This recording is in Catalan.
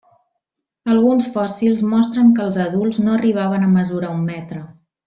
Alguns fòssils mostren que els adults no arribaven a mesurar un metre.